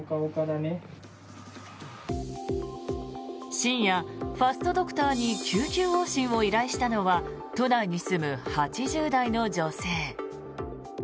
深夜、ファストドクターに緊急往診をしたのは都内に住む８０代の女性。